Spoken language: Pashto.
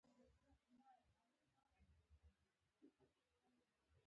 سپي د خوړو بوی ډېر ژر احساسوي.